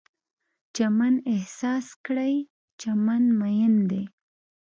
چمن احساس کړئ، چمن میین دی